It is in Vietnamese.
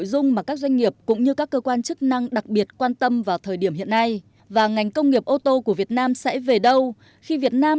quyết định hai trăm hai mươi chín của thủ tướng về công nghiệp ô tô việt nam đến năm hai nghìn ba mươi năm